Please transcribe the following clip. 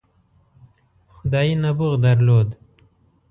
خدايي نبوغ درلود.